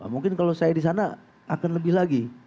mungkin kalau saya di sana akan lebih lagi